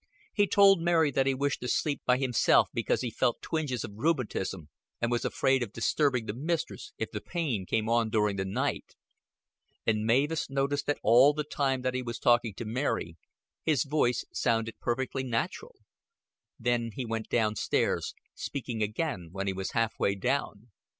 He told Mary that he wished to sleep by himself because he felt twinges of rheumatism and was afraid of disturbing the mistress if the pain came on during the night. And Mavis noticed that all the time that he was talking to Mary his voice sounded perfectly natural. Then he went down stairs, speaking again when he was half way down.